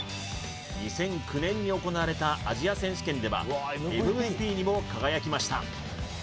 ２００９年に行われたアジア選手権ではＭＶＰにも輝きました